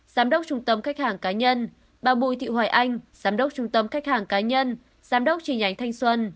giám đốc trung tâm khách hàng cá nhân bà bùi thị hoài anh giám đốc trung tâm khách hàng cá nhân giám đốc tri nhánh thanh xuân